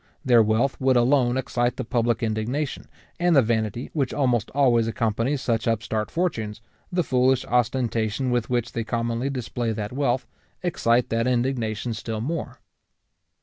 Their wealth would alone excite the public indignation; and the vanity which almost always accompanies such upstart fortunes, the foolish ostentation with which they commonly display that wealth, excite that indignation still more.